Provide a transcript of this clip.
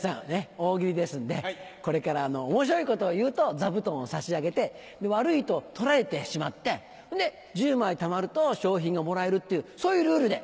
大喜利ですんでこれから面白いことを言うと座布団を差し上げて悪いと取られてしまって１０枚たまると賞品がもらえるっていうそういうルールで。